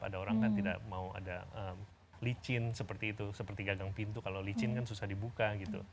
ada orang kan tidak mau ada licin seperti itu seperti gagang pintu kalau licin kan susah dibuka gitu